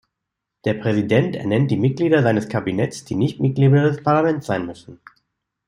Der Präsident ernennt die Mitglieder seines Kabinetts, die nicht Mitglieder des Parlaments sein müssen.